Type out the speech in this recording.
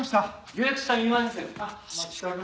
予約した三馬です。